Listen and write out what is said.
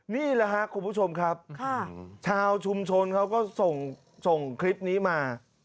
นี่แหละครับคุณผู้ชมครับชาวชุมชนเขาก็ส่งคลิปนี้มา